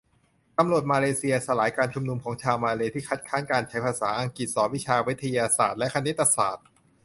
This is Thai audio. ตำรวจมาเลเซีย สลายการชุมนุมของชาวมาเลย์ ที่คัดค้านการใช้ภาษาอังกฤษสอนวิชาวิทยาศาสตร์และคณิตศาสตร์